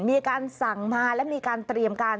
มีการสั่งมาและมีการเตรียมการ